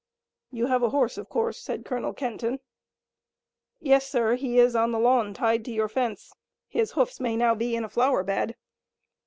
"You have a horse, of course," said Colonel Kenton. "Yes, sir. He is on the lawn, tied to your fence. His hoofs may now be in a flower bed."